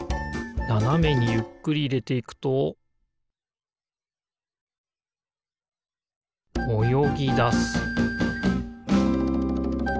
ななめにゆっくりいれていくとおよぎだす